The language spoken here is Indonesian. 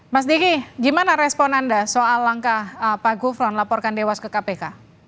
mas diki gimana respon anda soal langkah pak gufron laporkan dewas ke kpk